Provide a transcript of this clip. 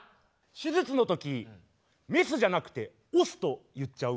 手術の時メスじゃなくてオスと言っちゃう。